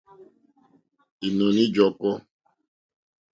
Ìnɔ̀ní ǃjɔ́kɔ́.